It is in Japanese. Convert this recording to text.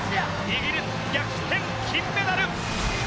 イギリス逆転、金メダル！